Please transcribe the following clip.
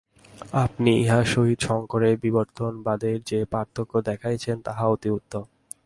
আপনি ইহার সহিত শঙ্করের বিবর্তবাদের যে পার্থক্য দেখাইয়াছেন, তাহা অতি উত্তম।